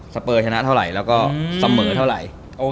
เปอร์ชนะเท่าไหร่แล้วก็เสมอเท่าไหร่